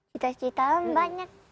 kita cerita banyak